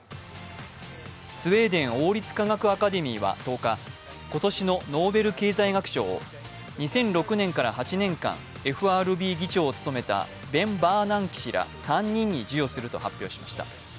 スウェーデン王立科学アカデミーは１０日今年のノーベル経済学賞を２００６年から８年間、ＦＲＢ議長を務めたベン・バーナンキ氏ら３人に授与すると発表しました。